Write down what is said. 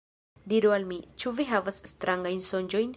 Diru al mi. Ĉu vi havis strangajn sonĝojn?